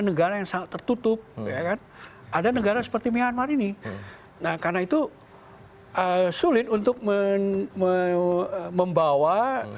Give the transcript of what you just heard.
negara yang sangat tertutup ya kan ada negara seperti myanmar ini nah karena itu sulit untuk membawa